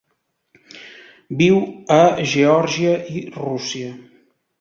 Viu a Geòrgia i Rússia.